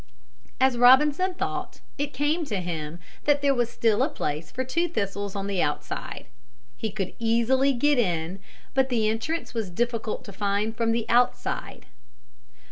As Robinson thought, it came to him that there was still place for two thistles on the outside. He could easily get in, but the entrance was difficult to find from the outside.